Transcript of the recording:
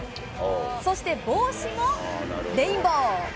そして、帽子もレインボー。